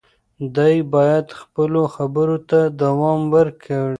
دی باید خپلو خبرو ته دوام ورکړي.